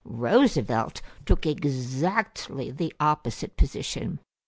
Roosevelt took exactly the opposite position.